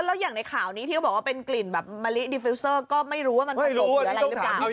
แล้วอย่างในข่าวนี้ที่เขาบอกว่าเป็นกลิ่นแบบมะลิดิฟิวเซอร์ก็ไม่รู้ว่ามันผสมหรืออะไรหรือกัน